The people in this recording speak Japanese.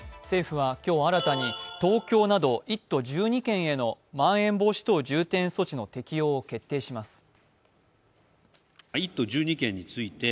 政府は今日新たに東京など１都１２県へのまん延防止等重点措置の適用を決定します。